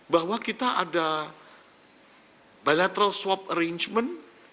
bahwa kita ada bilateral swap arrangement